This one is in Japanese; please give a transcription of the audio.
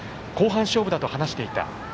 後半勝負だと話していた。